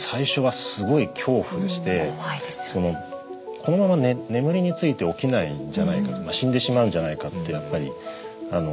このまま眠りについて起きないんじゃないか死んでしまうんじゃないかってやっぱり思ってましたし。